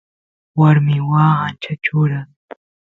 warmi waa ancha chura